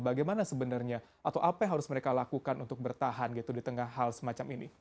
bagaimana sebenarnya atau apa yang harus mereka lakukan untuk bertahan gitu di tengah hal semacam ini